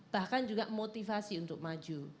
bahkan juga motivasi untuk maju